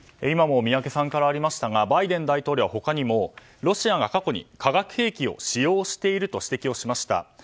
今も宮家さんからありましたがバイデン大統領は他にもロシアが過去に化学兵器を使用していると指摘しました。